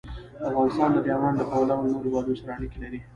افغانستان د بامیان له پلوه له نورو هېوادونو سره اړیکې لري.